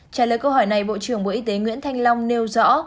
trả lời câu hỏi này bộ trưởng bộ y tế nguyễn thanh long nêu rõ